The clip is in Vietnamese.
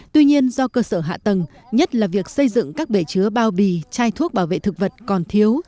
tuy nhiên do cơ sở hạ tầng nhất là việc xây dựng các bể chứa bao bì chai thuốc bảo vệ thực vật còn thiếu